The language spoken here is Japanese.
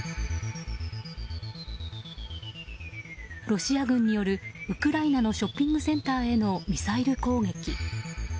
ロシア軍による、ウクライナのショッピングセンターへのミサイル攻撃。